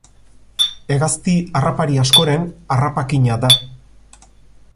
Hegazti harrapari askoren harrapakina da.